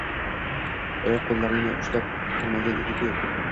oyoq-qo‘lingni ushlab turmagan edi-ku?